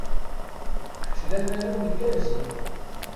Kečč d amaru igerrzen.